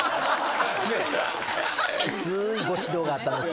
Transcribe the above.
きついご指導があったんです。